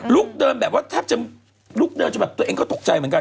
ลุกเดินแบบว่าแทบจะตัวเองก็ตกใจเหมือนกัน